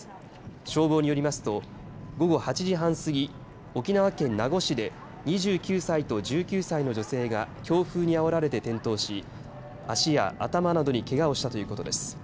消防によりますと午後８時半過ぎ沖縄県名護市で２９歳と１９歳の女性が強風にあおられて転倒し足や頭などにけがをしたということです。